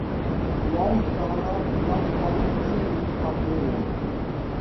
Voiced kana do not have special names of their own.